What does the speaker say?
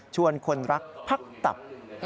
ชวนคนรักพักตับ